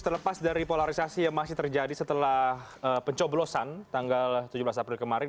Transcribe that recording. terlepas dari polarisasi yang masih terjadi setelah pencoblosan tanggal tujuh belas april kemarin